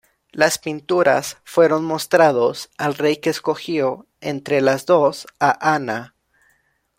Las pinturas fueron mostrados al rey que escogió, entre las dos a Ana.